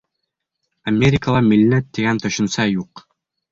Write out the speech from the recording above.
— Америкала милләт тигән төшөнсә юҡ.